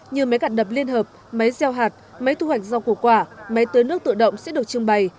như máy gặt đập liên hợp máy gieo hạt máy thu hoạch rau củ quả máy tưới nước tự động sẽ được trưng bày